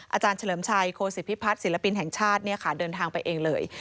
อาจารย์เฉลิมชัยโคศิพิพัฒน์ศิลปินแห่งชาติเดินทางไปเองเลย